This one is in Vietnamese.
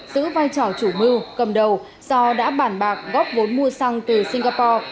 giữ vai trò chủ mưu cầm đầu do đã bản bạc góp vốn mua xăng từ singapore